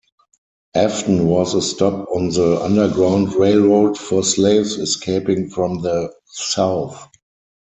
Afton was a stop on the Underground Railroad for slaves escaping from the South.